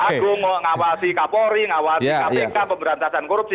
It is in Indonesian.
agung mengawasi kapolri ngawasi kpk pemberantasan korupsi